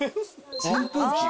扇風機？